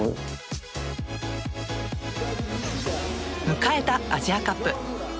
迎えたアジアカップ。